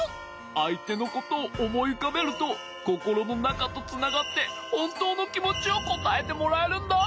あいてのことをおもいうかべるとココロのなかとつながってほんとうのきもちをこたえてもらえるんだ。